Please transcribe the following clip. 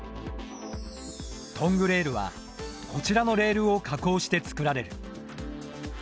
トングレールはこちらのレールを加工してつくられる。